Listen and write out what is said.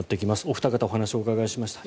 お二方にお話をお伺いしました。